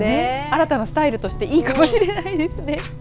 新たなスタイルとしていいかもしれないですね。